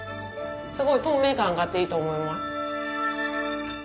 すごい透明感があっていいと思います。